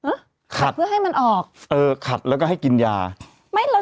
ขัดเพื่อให้มันออกเออขัดแล้วก็ให้กินยาไม่เรา